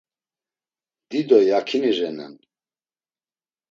Dido yakini renan.